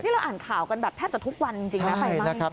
ที่เราอ่านข่าวกันแทบจะทุกวันจริงนะไปไหมแม่ง